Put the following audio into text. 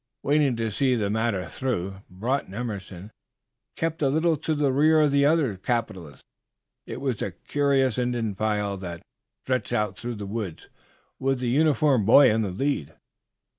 Wanting to see the matter through Broughton Emerson kept a little to the rear of the other capitalist. It was a curious Indian file that stretched out through the woods with the uniformed boy in the lead.